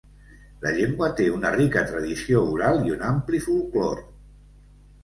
La llengua té una rica tradició oral i un ampli folklore.